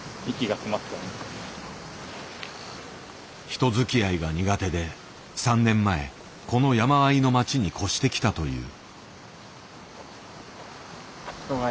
人づきあいが苦手で３年前この山あいの町に越してきたという。